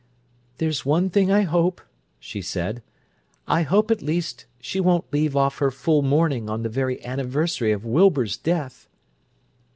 "There's one thing I hope," she said. "I hope at least she won't leave off her full mourning on the very anniversary of Wilbur's death!"